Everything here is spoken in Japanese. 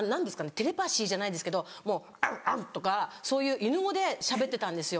テレパシーじゃないですけどもう「アウアウ」とかそういう犬語でしゃべってたんですよ